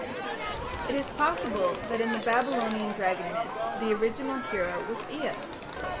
It is possible that in the Babylonian dragon myth the original hero was Ea.